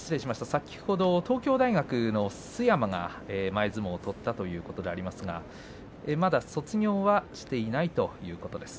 先ほど東京大学の須山が前相撲を取ったということでありますけれどもまた卒業はしていないということです。